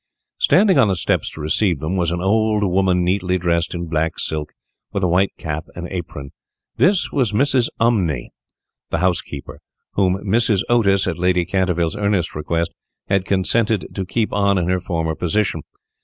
Standing on the steps to receive them was an old woman, neatly dressed in black silk, with a white cap and apron. This was Mrs. Umney, the housekeeper, whom Mrs. Otis, at Lady Canterville's earnest request, had consented to keep in her former position.